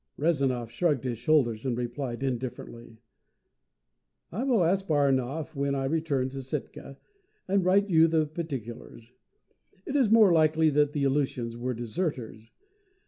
Rezanov shrugged his shoulders and replied indifferently: "I will ask Baranhov when I return to Sitka, and write you the particulars. It is more likely that the Aleutians were deserters.